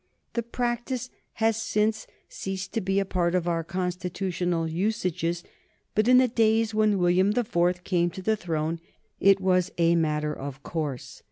The practice has since ceased to be a part of our constitutional usages, but in the days when William the Fourth came to the throne it was a matter of course.